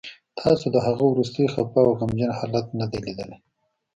تاسو د هغه وروستی خفه او غمجن حالت نه دی لیدلی